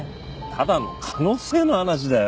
ただの可能性の話だよ。